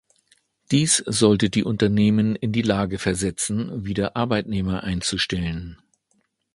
Dies sollte die Unternehmen in die Lage versetzen, wieder Arbeitnehmer einzustellen.